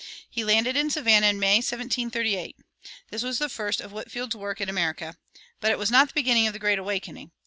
He landed in Savannah in May, 1738. This was the first of Whitefield's work in America. But it was not the beginning of the Great Awakening.